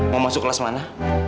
mau masuk kelas mana